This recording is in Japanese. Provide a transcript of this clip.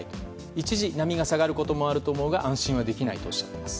一時、波が下がることはあると思うが安心はできないとおっしゃっています。